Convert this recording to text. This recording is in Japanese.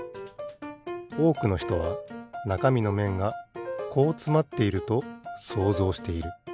おおくのひとはなかみのめんがこうつまっていると想像している。